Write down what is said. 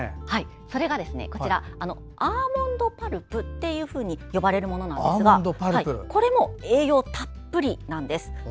それがアーモンドパルプと呼ばれるものなんですがこれも栄養たっぷりなんです。